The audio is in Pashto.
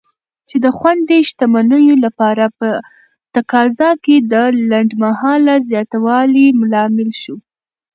چې د خوندي شتمنیو لپاره په تقاضا کې د لنډمهاله زیاتوالي لامل شو.